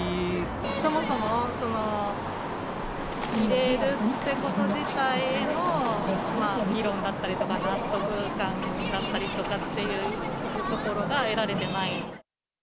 そもそも入れるということ自体の議論だったりとか、納得感だったりとかっていうところが得られてない。